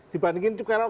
dibandingkan itu karena